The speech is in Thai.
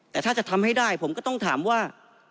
แต่ถ้าจะทำให้ได้ผมก็ต้องถามว่า